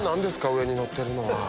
上にのってるのは。